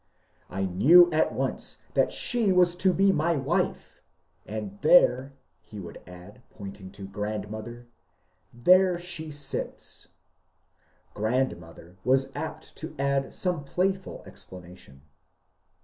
" I knew at once that she was to be my wife ; and there," he would add, point ing to grandmother, " there she sits." Grandmother was apt to add some playful explanation.